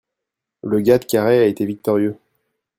le gars de Carhaix a été victorieux.